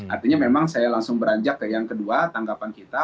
artinya memang saya langsung beranjak ke yang kedua tanggapan kita